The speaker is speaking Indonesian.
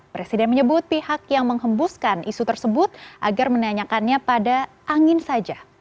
presiden menyebut pihak yang menghembuskan isu tersebut agar menanyakannya pada angin saja